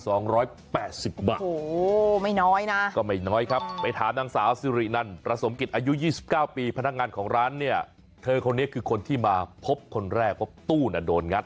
โอ้โหไม่น้อยนะก็ไม่น้อยครับไปถามนางสาวสิรินันประสมกิจอายุยี่สิบเก้าปีพนักงานของร้านเนี่ยเธอคนนี้คือคนที่มาพบคนแรกว่าตู้น่ะโดนงัด